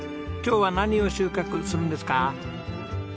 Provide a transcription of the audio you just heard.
今日は何を収穫するんですか？